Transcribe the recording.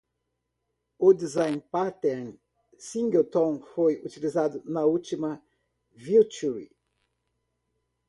O design pattern Singleton foi utilizado na última feature.